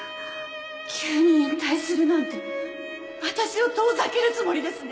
急に引退するなんて私を遠ざけるつもりですね？